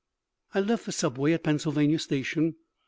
I left the subway at Pennsylvania Station.